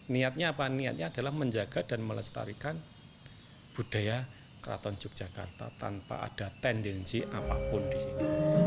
niatnya apa niatnya adalah menjaga dan melestarikan budaya keraton yogyakarta tanpa ada tendensi apapun di sini